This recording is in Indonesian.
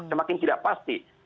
semakin tidak pasti